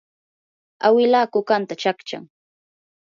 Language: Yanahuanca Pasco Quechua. awila kukatan chaqchan.